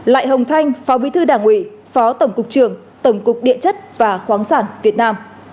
lại hồng thanh phó bí thư đảng ủy phó tổng cục trưởng tổng cục địa chất và khoáng sản việt nam